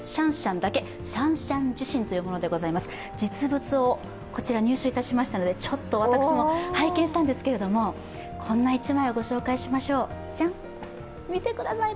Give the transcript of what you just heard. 実物を入手しましたので、私も拝見したんですけども、こんな１枚をご紹介しましょう。